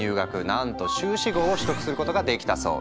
なんと修士号を取得することができたそう。